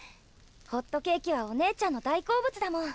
ホットケーキはお姉ちゃんの大好物だもん！